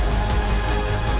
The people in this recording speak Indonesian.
sampai jumpa lagi